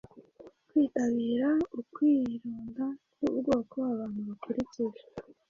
Kwitabira ukwironda k'ubwoko abantu bakurikije